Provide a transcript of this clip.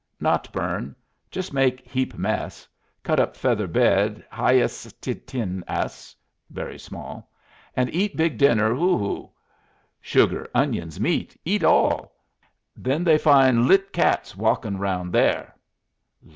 "Not burn. Just make heap mess. Cut up feather bed hy as ten as (very small) and eat big dinner, hu hu! Sugar, onions, meat, eat all. Then they find litt' cats walkin' round there."